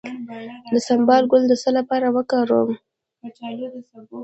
د سنبل ګل د څه لپاره وکاروم؟